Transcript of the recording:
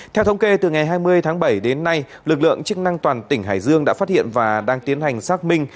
theo thống kê từ ngày hai mươi tháng bảy đến nay lực lượng chức năng toàn tỉnh hải dương đã phát hiện và đang tiến hành xác minh